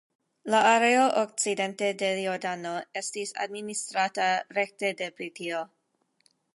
La areo okcidente de Jordano estis administrata rekte de Britio.